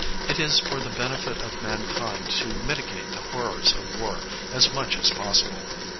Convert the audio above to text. It is for the benefit of mankind to mitigate the horrors of war as much as possible.